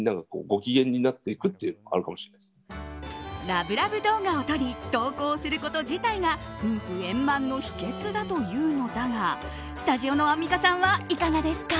ラブラブ動画を撮り投稿すること自体が夫婦円満の秘訣だというのだがスタジオのアンミカさんはいかがですか？